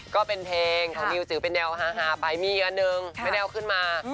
ก็เป็นเพลงของมิวถือเป็นแดวฮาไปมีอันหนึ่งเป็นแดวขึ้นมา